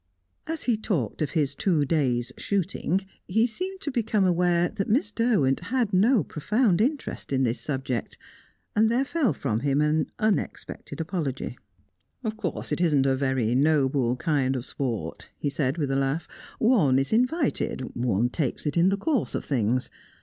As he talked of his two days' shooting, he seemed to become aware that Miss Derwent had no profound interest in this subject, and there fell from him an unexpected apology. "Of course it isn't a very noble kind of sport," he said, with a laugh. "One is invited one takes it in the course of things.